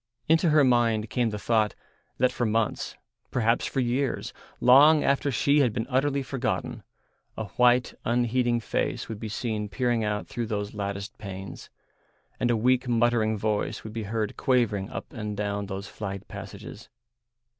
Into her mind came the thought that for months, perhaps for years, long after she had been utterly forgotten, a white, unheeding face would be seen peering out through those latticed panes, and a weak muttering voice would be heard quavering up and down those flagged passages.